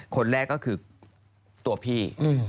คนแรกก็คือตัวพี่